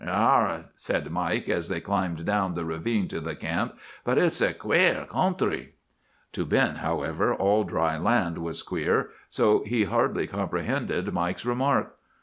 "'Arrah,' said Mike, as they climbed down the ravine to the camp, 'but it's a quare counthry!' "To Ben, however, all dry land was queer. So he hardly comprehended Mike's remark.